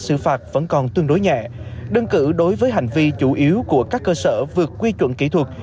xử phạt vẫn còn tương đối nhẹ đơn cử đối với hành vi chủ yếu của các cơ sở vượt quy chuẩn kỹ thuật